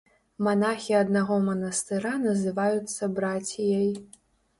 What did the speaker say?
Манахі аднаго манастыра называюцца браціяй.